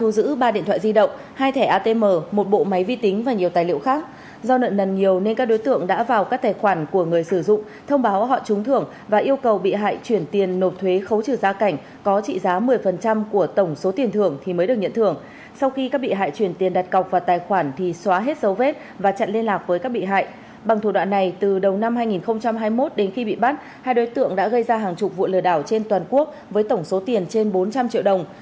hai đối tượng đã gây ra hàng chục vụ lừa đảo trên toàn quốc với tổng số tiền trên bốn trăm linh triệu đồng